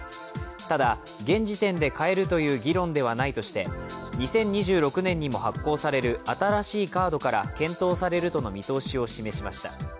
ただ、現時点で変えるという議論ではないとして２０２６年にも発行される新しいカードから検討されるとの見通しを示しました。